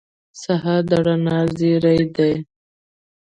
سهار د رڼا زېری دی.